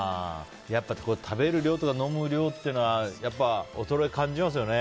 やっぱり食べる量とか飲む量っていうのは衰え、感じますよね。